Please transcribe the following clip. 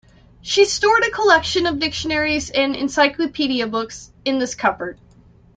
She stored a collection of dictionaries and encyclopedia books in this cupboard.